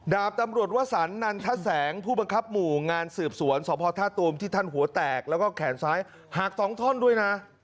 ดาบตำรวจวสันนันทแสงผู้บังคับหมู่งานสืบสวนสพท่าตูมที่ท่านหัวแตกแล้วก็แขนซ้ายหัก๒ท่อนด้วยนะ